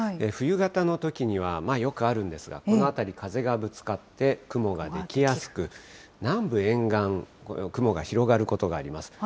冬型のときには、よくあるんですが、この辺り、風がぶつかって雲が湧きやすく、南部沿岸、雲が広がることがあります。